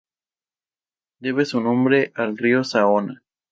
Debe su nombre al río Saona.